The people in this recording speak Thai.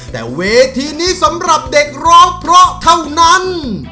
แต่เวทีนี้สำหรับเด็กร้องเพราะเท่านั้น